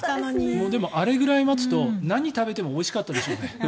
でも、あれくらい待つと何を食べてもおいしかったでしょうね。